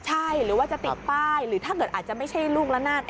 ใช่หรือว่าจะติดป้ายหรือถ้าเกิดอาจจะไม่ใช่ลูกละนาด